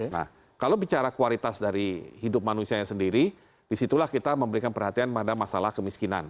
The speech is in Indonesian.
nah kalau bicara kualitas dari hidup manusianya sendiri disitulah kita memberikan perhatian pada masalah kemiskinan